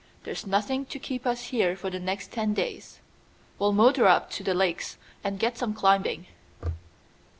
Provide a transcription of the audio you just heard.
There's nothing to keep us here for the next ten days. We'll motor up to the Lakes and get some climbing."